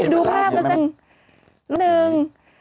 ดูภาพหน่อย